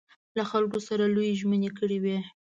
له خلکو سره لویې ژمنې کړې وې.